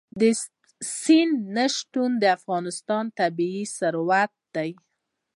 سمندر نه شتون د افغانستان طبعي ثروت دی.